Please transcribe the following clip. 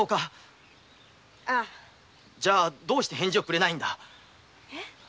じゃどうして返事をくれないんだえ？